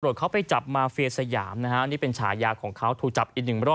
เขาไปจับมาเฟียสยามนะฮะนี่เป็นฉายาของเขาถูกจับอีกหนึ่งรอบ